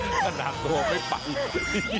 คุณกระดับโทษไม่ฟังคุณเลย